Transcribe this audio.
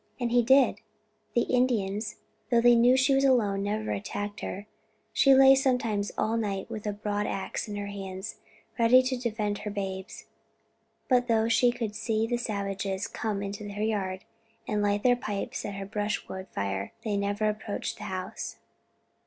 And he did; the Indians, though they knew she was alone, never attacked her. She lay sometimes all night with a broadax in her hands, ready to defend her babes; but though she could see the savages come into her yard and light their pipes at her brushwood fire, they never approached the house?"